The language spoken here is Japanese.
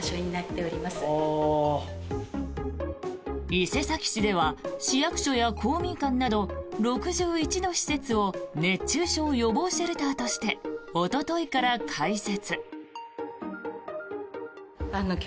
伊勢崎市では市役所や公民館など６１の施設を熱中症予防シェルターとしておとといから開設。